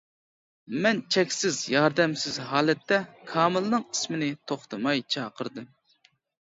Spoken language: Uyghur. مەن چەكسىز ياردەمسىز ھالەتتە كامىلنىڭ ئىسمىنى توختىماي چاقىردىم.